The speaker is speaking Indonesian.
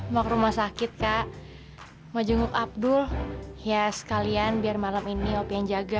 mau ke rumah sakit kak mau jenguk abdul ya sekalian biar malam ini opi yang jaga